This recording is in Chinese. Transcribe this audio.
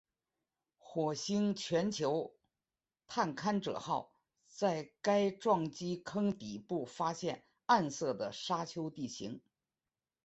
火星全球探勘者号在该撞击坑底部发现暗色的沙丘地形。